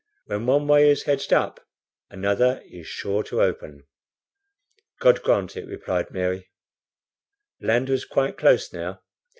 When one way is hedged up another is sure to open." "God grant it," replied Mary. Land was quite close now.